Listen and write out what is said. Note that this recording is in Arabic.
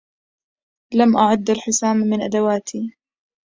لم أعد الحسام من أدواتي